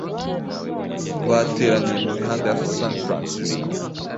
bateraniye mu mihanda ya San Francisco